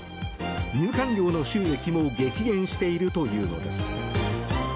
入館料の収益も激減しているというのです。